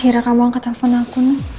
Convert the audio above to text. akhirnya kamu angkat telpon aku